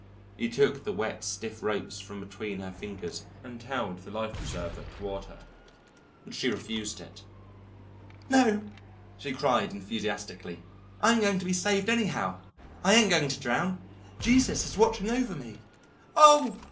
He took the wet, stiff ropes from between her fingers and held the life preserver toward her; but she refused it. "No," she cried enthusiastically, "I'm going to be saved anyhow; I ain't going to drown; Jesus is watching over me. Oh!"